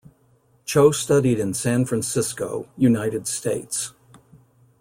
Cho studied in San Francisco, United States.